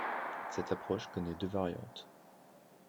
Cette approche connaît deux variantes.